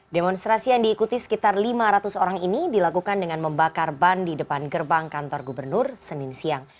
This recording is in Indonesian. demonstrasi yang diikuti sekitar lima ratus orang ini dilakukan dengan membakar ban di depan gerbang kantor gubernur senin siang